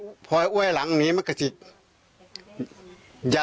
อันนี้เป็นคำกล่าวอ้างของทางฝั่งของพ่อตาที่เป็นผู้ต้องหานะ